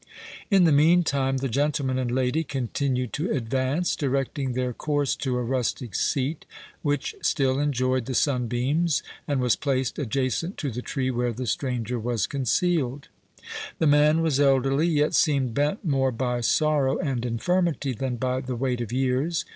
In the meantime, the gentleman and lady continued to advance, directing their course to a rustic seat, which still enjoyed the sunbeams, and was placed adjacent to the tree where the stranger was concealed. The man was elderly, yet seemed bent more by sorrow and infirmity than by the weight of years.